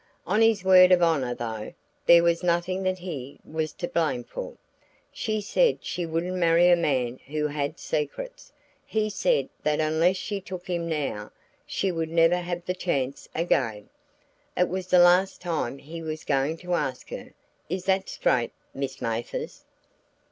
On his word of honor though there was nothing that he was to blame for. She said she wouldn't marry a man who had secrets. He said that unless she took him now, she would never have the chance again; it was the last time he was going to ask her is that straight, Miss Mathers?"